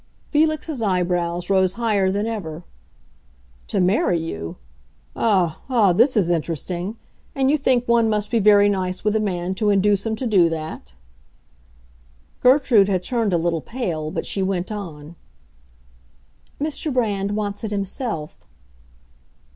Felix's eyebrows rose higher than ever. "To marry you! Ah, ah, this is interesting. And you think one must be very nice with a man to induce him to do that?" Gertrude had turned a little pale, but she went on, "Mr. Brand wants it himself."